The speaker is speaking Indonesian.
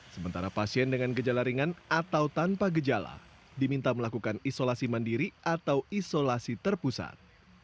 sementara pasien dengan gejala ringan atau tanpa gejala diminta melakukan isolasi mandiri atau isolasi terpusat